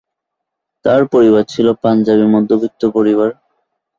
তার পরিবার ছিলো পাঞ্জাবি মধ্যবিত্ত পরিবার।